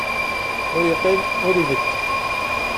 Ur yeqqim, ur ibedd.